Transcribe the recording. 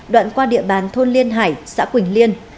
đoạn qua địa bàn thôn liên hải xã quỳnh liên